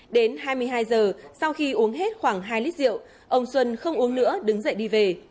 đến hai mươi hai giờ sau khi uống hết khoảng hai lít rượu ông xuân không uống nữa đứng dậy đi về